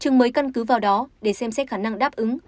trường mới căn cứ vào đó để xem xét khả năng đáp ứng